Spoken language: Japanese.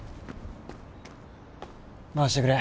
回してくれ。